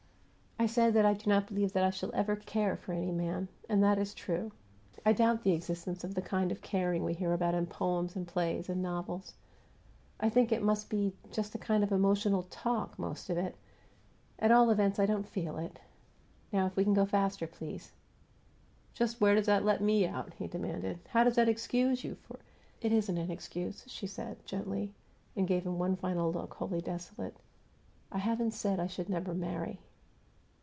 I said that I do not believe I shall ever 'care' for any man, and that is true. I doubt the existence of the kind of 'caring' we hear about in poems and plays and novels. I think it must be just a kind of emotional TALK most of it. At all events, I don't feel it. Now, we can go faster, please." "Just where does that let me out?" he demanded. "How does that excuse you for " "It isn't an excuse," she said, gently, and gave him one final look, wholly desolate. "I haven't said I should never marry."